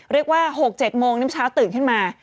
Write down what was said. เรียกว่า๖๗โมงนิ้มเช้าตื่นขึ้นมา